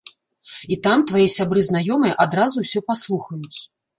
І там твае сябры-знаёмыя адразу ўсё паслухаюць.